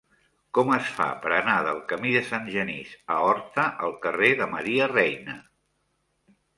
Com es fa per anar del camí de Sant Genís a Horta al carrer de Maria Reina?